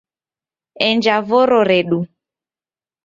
Enja voro redu